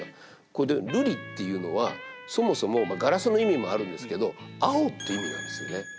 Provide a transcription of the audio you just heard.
この「瑠璃」っていうのはそもそもガラスの意味もあるんですけど「青」って意味なんですよね。